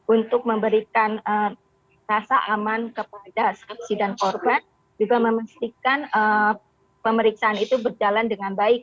untuk memberikan rasa aman kepada saksi dan korban juga memastikan pemeriksaan itu berjalan dengan baik